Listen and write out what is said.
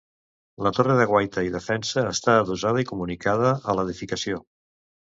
La torre de guaita i defensa està adossada i comunicada a l'edificació.